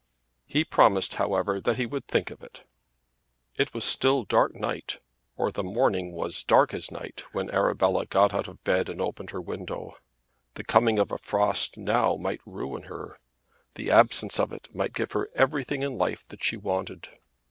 He promised, however, that he would think of it. It was still dark night, or the morning was still dark as night, when Arabella got out of bed and opened her window. The coming of a frost now might ruin her. The absence of it might give her everything in life that she wanted.